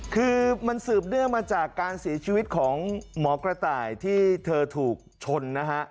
คือมันสืบเนื่องมาจากการเสียชีวิตของหมอกระต่ายที่เธอถูกชนนะฮะ